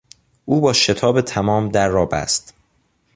او با شتاب تمام در را بست.